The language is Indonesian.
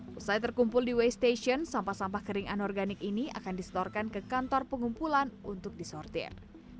setelah terkumpul di waste station sampah sampah kering anorganik ini akan disetorkan ke kantor pengumpulan untuk disortir